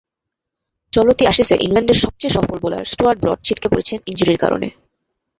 চলতি অ্যাশেজে ইংল্যান্ডের সবচেয়ে সফল বোলার স্টুয়ার্ট ব্রড ছিটকে পড়েছেন ইনজুরির কারণে।